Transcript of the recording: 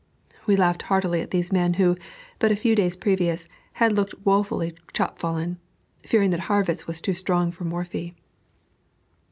We laughed heartily at these men who, but a few days previous, had looked woefully chopfallen, fearing that Harrwitz was too strong for Morphy.